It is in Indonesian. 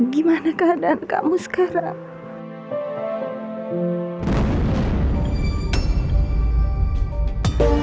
gimana keadaan kamu sekarang